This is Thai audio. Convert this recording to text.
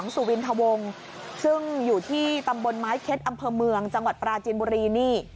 สุวินทวงซึ่งอยู่ที่ตำบลไม้เค็ดอำเภอเมืองจังหวัดปราจินบุรีนี่